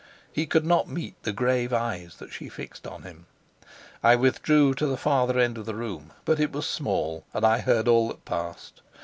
He could not meet the grave eyes that she fixed on him. I withdrew to the farther end of the room; but it was small, and I heard all that passed.